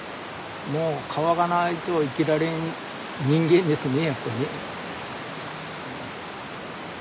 もう川がないと生きられん人間ですねやっぱりね。